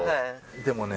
でもね